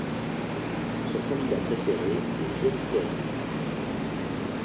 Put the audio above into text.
Son candidat préféré est Jaume Ferrer.